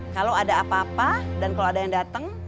kalau ada apa apa dan kalau ada yang datang